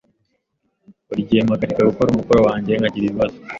Buri gihe mpagarika gukora umukoro wanjye nkagira ibibazo.